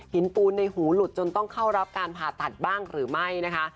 ปูนในหูหลุดจนต้องเข้ารับการผ่าตัดบ้างหรือไม่นะคะ